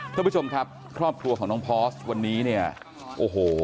ท่านผู้ชมครับครอบครัวของน้องพอร์สวันนี้เนี่ยโอ้โห